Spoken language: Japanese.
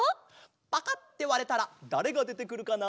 パカッてわれたらだれがでてくるかな？